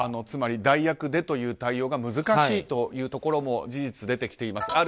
つまり代役でという対応が難しいところも事実出てきています。